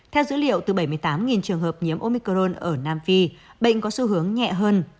theo dữ liệu từ bảy mươi tám trường hợp nhiễm omicron ở nam phi bệnh có xu hướng nhẹ hơn